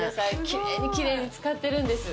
きれいにきれいに使ってるんです